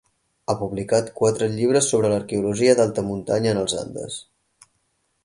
Ha publicat quatre llibres sobre l'arqueologia d'Alta Muntanya en els Andes.